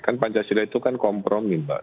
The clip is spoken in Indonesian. kan pancasila itu kan kompromi mbak